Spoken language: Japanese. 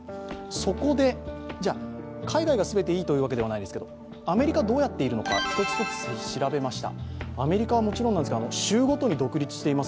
そこで、海外が全ていいというわけではないですけれども、アメリカはどうやっているのか、一つ一つ調べました。